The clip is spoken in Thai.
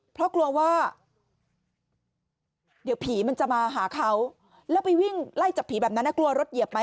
เพราะกลัวว่าเดี๋ยวผีมันจะมาหาเขาแล้วไปวิ่งไล่จับผีแบบนั้นกลัวรถเหยียบไหม